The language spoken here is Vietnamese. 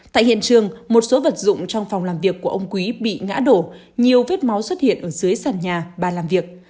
tại hiện trường một số vật dụng trong phòng làm việc của ông quý bị ngã đổ nhiều vết máu xuất hiện ở dưới sàn nhà bà làm việc